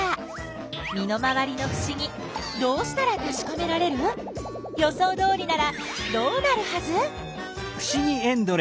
身の回りのふしぎどうしたらたしかめられる？予想どおりならどうなるはず？